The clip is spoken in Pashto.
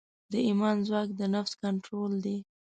د ایمان ځواک د نفس کنټرول دی.